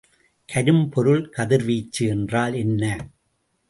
கரும்பொருள் கதிர்வீச்சு என்றால் என்ன?